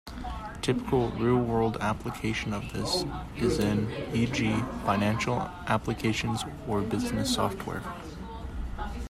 Typical real-world application of this is in, e.g., financial applications or business software.